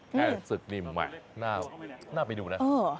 แค่ศึกนิ่มแหวะน่าไปดูนะ